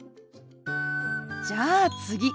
じゃあ次。